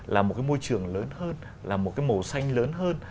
là một cái môi trường lớn hơn là một cái màu xanh lớn hơn